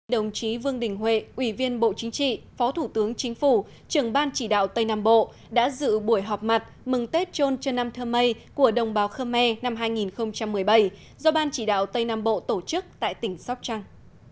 đồng chí vương đình huệ ủy viên bộ chính trị phó thủ tướng chính phủ trưởng ban chỉ đạo tây nam bộ đã dự buổi họp mặt mừng tết trôn trân nam thơ mây của đồng bào khơ me năm hai nghìn một mươi bảy do ban chỉ đạo tây nam bộ tổ chức tại tỉnh sóc trăng